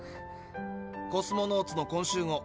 「コスモノーツ」の今週号。